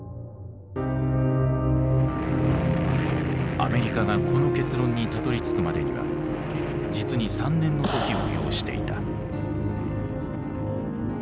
アメリカがこの結論にたどりつくまでには実に３年の時を要していた。